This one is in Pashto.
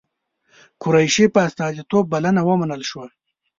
قریشي په استازیتوب بلنه ومنل شوه.